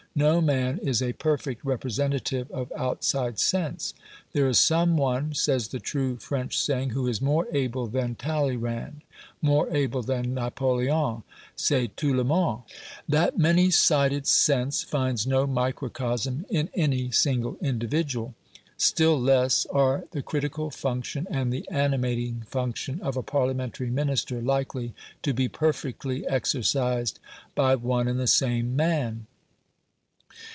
No man is a perfect representative of outside sense. "There is some one," says the true French saying, "who is more able than Talleyrand, more able than Napoleon. Cest tout le monde." That many sided sense finds no microcosm in any single individual. Still less are the critical function and the animating function of a Parliamentary Minister likely to be perfectly exercised by one and the same man.